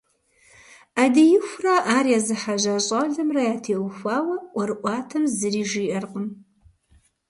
Ӏэдиихурэ ар езыхьэжьа щӏалэмрэ ятеухуауэ ӏуэрыӏуатэм зыри жиӏэркъым.